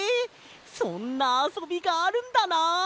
そんなあそびがあるんだな！